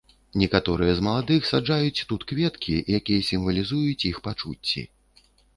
Некаторыя з маладых саджаюць тут кветкі, якія сімвалізуюць іх пачуцці.